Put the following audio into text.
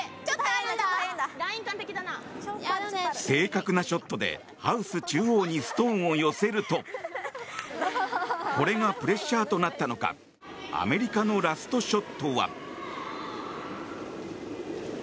正確なショットでハウス中央にストーンを寄せるとこれがプレッシャーとなったのかアメリカのラストショットは。